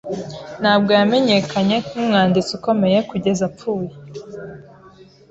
Ntabwo yamenyekanye nkumwanditsi ukomeye kugeza apfuye.